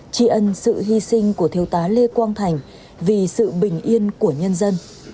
tri ân sự hy sinh của thiếu tá lê quang thành vì sự bình yên của nhân dân